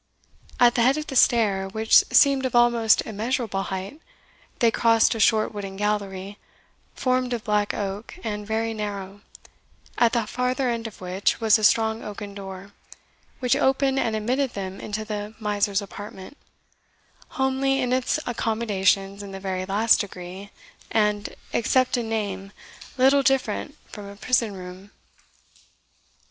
At the head of the stair, which seemed of almost immeasurable height, they crossed a short wooden gallery, formed of black oak, and very narrow, at the farther end of which was a strong oaken door, which opened and admitted them into the miser's apartment, homely in its accommodations in the very last degree, and, except in name, little different from a prison room.